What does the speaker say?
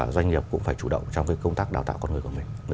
doanh nghiệp cũng phải chủ động trong công tác đào tạo con người của mình